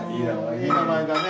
いい名前だね。